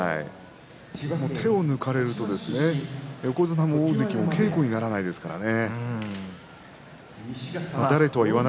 手を抜かれると、横綱も大関も稽古にならないですからね。